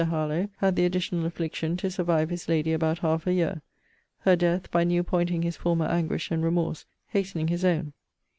HARLOWE had the additional affliction to survive his lady about half a year; her death, by new pointing his former anguish and remorse, hastening his own.